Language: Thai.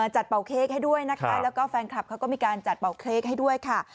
เป่าเค้กให้ด้วยนะคะแล้วก็แฟนคลับเขาก็มีการจัดเป่าเค้กให้ด้วยค่ะ